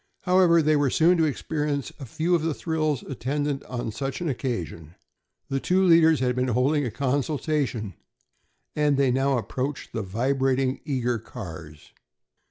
However, they were soon to experience a few of the thrills attendant on such an occasion. The two leaders had been holding a consultation, and now they approached the vibrating, eager cars.